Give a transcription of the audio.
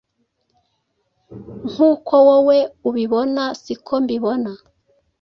nkuko wowe ubibona siko mbibona